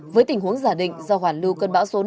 với tình huống giả định do hoàn lưu cơn bão số năm